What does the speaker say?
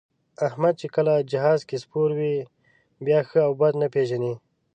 احمد چې کله جهاز کې سپور وي، بیا ښه او بد نه پېژني.